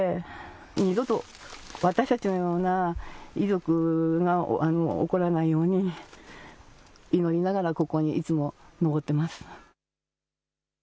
二度と私たちのような遺族がおこらないように祈りながらいつもここに登っています。